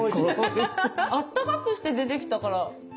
あったかくして出てきたからてっきり。